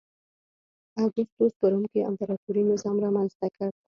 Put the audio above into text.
اګوستوس په روم کې امپراتوري نظام رامنځته کړ.